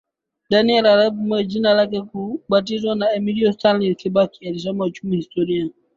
Daniel Arap Moi Jina lake la kubatizwa ni Emilio Stanley Kibaki alisoma uchumi historia